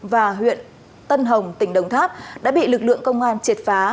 và huyện tân hồng tỉnh đồng tháp đã bị lực lượng công an triệt phá